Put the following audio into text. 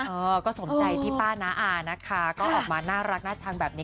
เออก็สมใจที่ป้าน้าอานะคะก็ออกมาน่ารักน่าชังแบบนี้